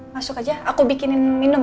masuk aja aku bikinin minum